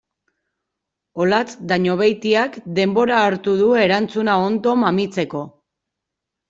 Olatz Dañobeitiak denbora hartu du erantzuna ondo mamitzeko.